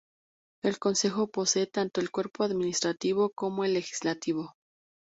El Consejo posee tanto el cuerpo administrativo como el legislativo.